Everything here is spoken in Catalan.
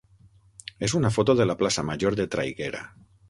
és una foto de la plaça major de Traiguera.